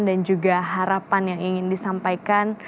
dan juga harapan yang ingin disampaikan